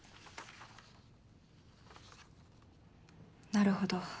なるほど。